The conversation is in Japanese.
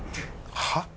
はっ？